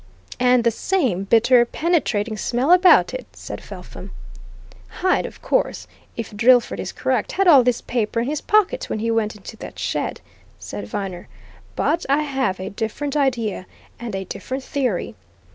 "And the same bitter, penetrating smell about it!" said Felpham. "Hyde, of course, if Drillford is correct, had all this paper in his pocket when he went into that shed," said Viner. "But I have a different idea, and a different theory.